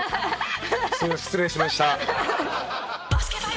失礼しました。